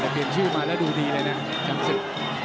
แต่เปลี่ยนชื่อมาแล้วดูดีเลยนะจำศึก